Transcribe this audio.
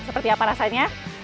seperti apa rasanya